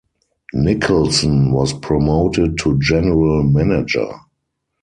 Nicholson was promoted to general manager.